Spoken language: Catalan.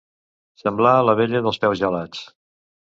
Semblar la vella dels peus gelats.